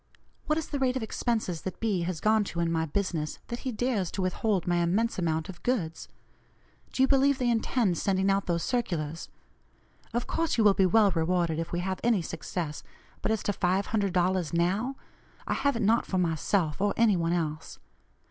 What is the rate of expenses that B. has gone to in my business, that he dares to withhold my immense amount of goods? Do you believe they intend sending out those circulars? Of course you will be well rewarded if we have any success, but as to $500 'now,' I have it not for myself, or any one else.